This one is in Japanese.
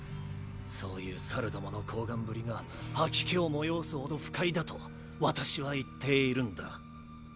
そういう猿どもの厚顔ぶりが吐き気をもよおすほど不快だと私は言っているんだ。